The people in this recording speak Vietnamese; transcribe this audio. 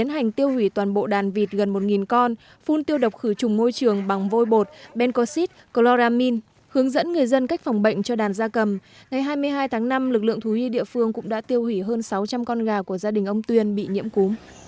hướng dẫn người dân cách phòng bệnh cho đàn gia cầm ngày hai mươi hai tháng năm lực lượng thú hy địa phương cũng đã tiêu hủy hơn sáu trăm linh con gà của gia đình ông tuyên bị nhiễm cú